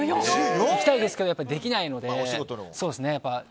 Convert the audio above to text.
行きたいですけど、できないので。